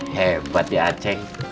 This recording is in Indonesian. hebat ya aceng